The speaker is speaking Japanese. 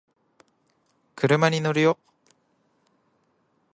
車に乗るよ